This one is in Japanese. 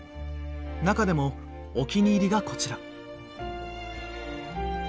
中でもお気に入りがこちら。